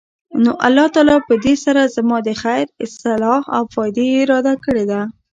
نو الله تعالی پدي سره زما د خير، صلاح او فائدي اراده کړي ده